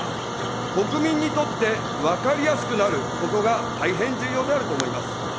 国民にとって分かりやすくなることが、大変重要であると思います。